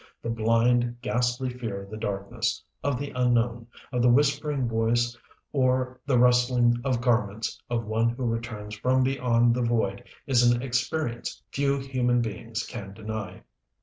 The blind, ghastly fear of the darkness, of the unknown, of the whispering voice or the rustling of garments of one who returns from beyond the void is an experience few human beings can deny.